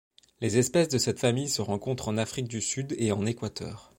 Les espèces de cette famille se rencontrent en Afrique du Sud et en Équateur.